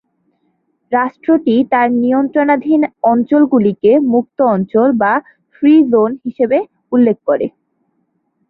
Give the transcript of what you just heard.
রাষ্ট্রটি তার নিয়ন্ত্রণাধীন অঞ্চলগুলিকে "মুক্ত অঞ্চল" বা "ফ্রি জোন" হিসাবে উল্লেখ করে।